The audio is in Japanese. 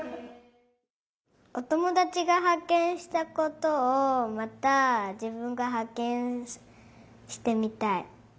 おともだちがはっけんしたことをまたじぶんがはっけんしてみたい。